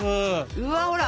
うわほら